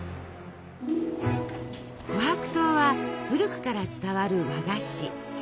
琥珀糖は古くから伝わる和菓子。